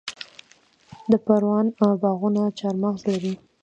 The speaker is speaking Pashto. د پروان باغونه چهارمغز لري.